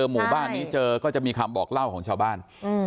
หมู่บ้านนี้เจอก็จะมีคำบอกเล่าของชาวบ้าน